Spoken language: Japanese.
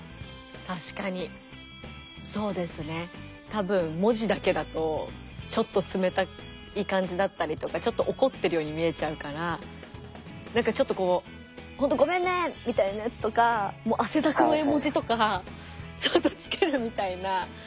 多分文字だけだとちょっと冷たい感じだったりとかちょっと怒ってるように見えちゃうからなんかちょっとこう「ほんとごめんね！」みたいなやつとか汗だくの絵文字とかちょっとつけるみたいな。